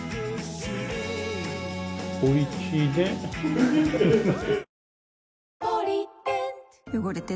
おいちいね。